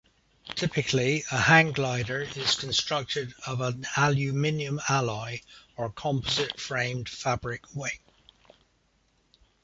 Typically, a hang glider is constructed of an aluminium alloy or composite-framed fabric wing.